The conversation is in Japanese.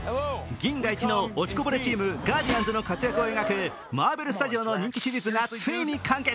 銀河いちの落ちこぼれチームガーディアンズの活躍を描くマーベルスタジオの人気シリーズがついに完結。